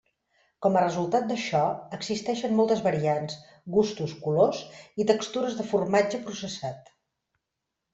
Com a resultat d'això, existeixen moltes variants, gustos, colors i textures de formatge processat.